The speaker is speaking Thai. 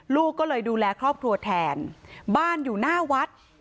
ลูกก็เลยดูแลครอบครัวแทนบ้านอยู่หน้าวัด